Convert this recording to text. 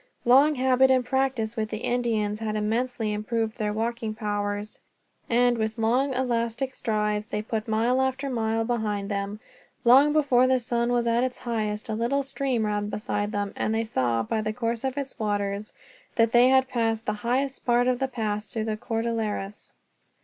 Long habit and practice with the Indians had immensely improved their walking powers and, with long elastic strides, they put mile after mile behind them. Long before the sun was at its highest a little stream ran beside them, and they saw, by the course of its waters, that they had passed the highest part of the pass through the Cordilleras.